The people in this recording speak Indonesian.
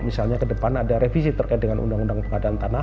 misalnya ke depan ada revisi terkait dengan undang undang pengadaan tanah